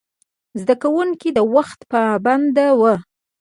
زده کوونکي د وخت پابند وو.